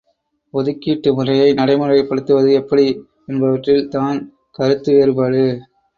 ஒதுக்கீட்டு முறையை நடை முறைப்படுத்துவது எப்படி என்பவற்றில் தான் கருத்து வேறுபாடு.